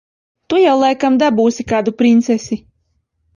Tu jau laikam dabūsi kādu princesi.